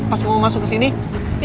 pas mau masuk kesini